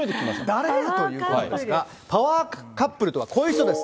誰かなということですが、パワーカップルとは、こういう人です。